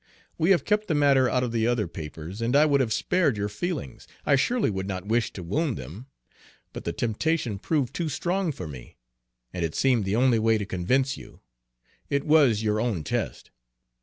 We have kept the matter out of the other papers, and I would have spared your feelings, I surely would not wish to wound them, but the temptation proved too strong for me, and it seemed the only way to convince you: it was your own test.